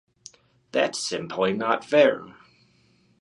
That’s simply not fair.